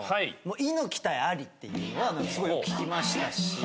「猪木対アリ」っていうのはすごいよく聞きましたし。